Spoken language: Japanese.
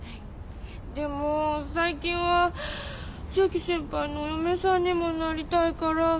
でも最近は千秋先輩のお嫁さんにもなりたいから。